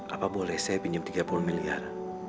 apa boleh saya pinjam tiga puluh miliar